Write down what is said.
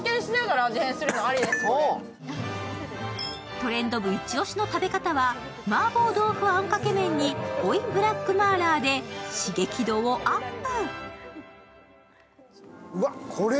トレンド部イチオシの食べ方はマーボー豆腐あんかけ麺に追いブラック麻辣で刺激度をアップ。